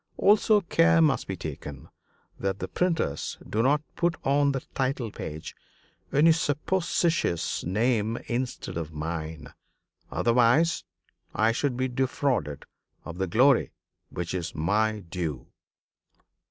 Also care must be taken that the printers do not put on the title page any supposititious name instead of mine. Otherwise, I should be defrauded of the glory which is my due."